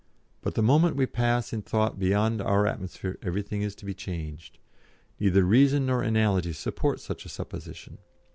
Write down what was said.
But the moment we pass in thought beyond our atmosphere everything is to be changed. Neither reason nor analogy support such a supposition.